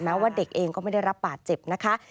ว่าเด็กเองก็ไม่ได้รับบาดเจ็บนะคะ